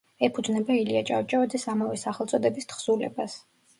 ეფუძნება ილია ჭავჭავაძის ამავე სახელწოდების თხზულებას.